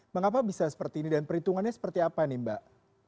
mengapa bisa seperti ini dan perhitungannya seperti apa nih mbak